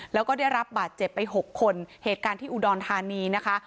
แล้วก็ได้รับบาดเจ็บไปหกคนเหตุการณ์ที่อุดรธานีนะคะ